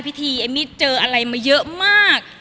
พี่ทีแอมมี่เจออะไรมาเยอะมาก